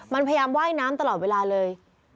มันพยายามว่ายน้ำตลอดเวลาเลย